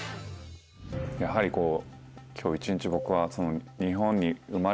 やはりこう今日一日僕は。